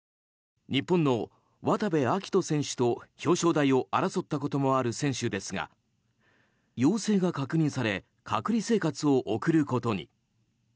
日本の渡部暁斗選手と表彰台を争ったこともある選手ですが陽性が確認され隔離生活を送ることに。